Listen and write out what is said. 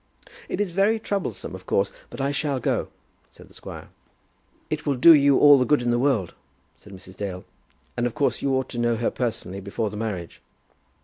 "It is very troublesome, of course; but I shall go," said the squire. "It will do you all the good in the world," said Mrs. Dale; "and of course you ought to know her personally before the marriage."